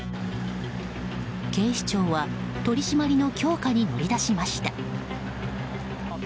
警視庁は取り締まりの強化に乗り出しました。